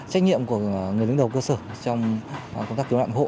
trách nhiệm của người đứng đầu cơ sở trong công tác cứu nạn hộ